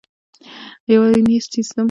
یوني سیسټم د سږو ژورې برخې ته لاسرسی لري.